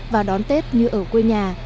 và đón tết như ở quê nhà